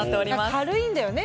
軽いんだよね。